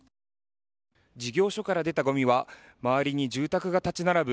事業所から出たごみは周りに住宅が立ち並ぶ